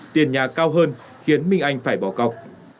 do hơn khiến minh anh phải bỏ cọc